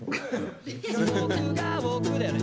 僕が僕だよね。